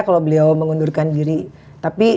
kalau beliau mengundurkan diri tapi